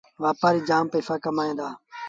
وآپآريٚ جآم پئيٚسآ ڪمائيٚݩ دآ